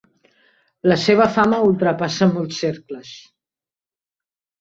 La seva fama ultrapassa molts cercles.